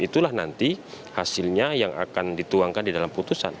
itulah nanti hasilnya yang akan dituangkan di dalam putusan